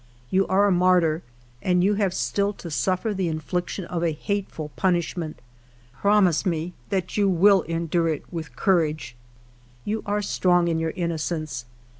You are a martyr and you have still to suffer the infliction of a hateful punishment. Promise me that you will endure it with courage. " You are strong in your innocence.